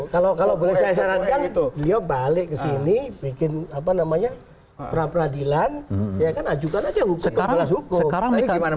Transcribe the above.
kalau bisa saya sarankan beliau balik ke sini bikin peradilan ya kan ajukan aja hukum